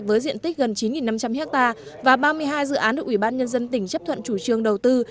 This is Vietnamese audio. với diện tích gần chín năm trăm linh ha và ba mươi hai dự án được ủy ban nhân dân tỉnh chấp thuận chủ trương đầu tư